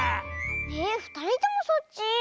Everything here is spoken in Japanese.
えふたりともそっち？